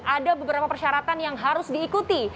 ada beberapa persyaratan yang harus diikuti